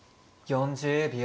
４０秒。